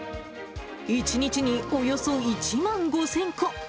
１日におよそ１万５０００個。